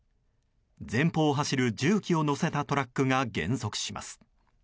前方を走る重機を載せたトラックが減速します。